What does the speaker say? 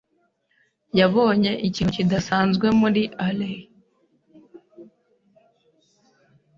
yabonye ikintu kidasanzwe muri alley.